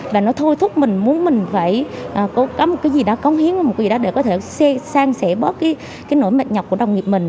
và nó thôi thúc mình muốn mình phải có một cái gì đó cống hiến một gì đó để có thể sang sẻ bớt cái nỗi mệt nhọc của đồng nghiệp mình